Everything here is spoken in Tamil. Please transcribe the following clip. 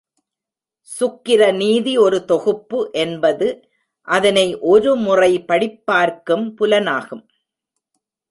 சுக்கிரநீதி ஒரு தொகுப்பு என்பது அதனை ஒரு முறை படிப்பார்க்கும் புலனாகும்.